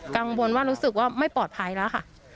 กังวลว่ารู้สึกว่าไม่ปลอดภัยแล้วค่ะ